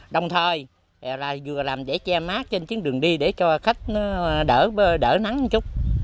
đồng thời vừa làm dãy che mát trên chiếc đường đi để cho khách đỡ nắng một chút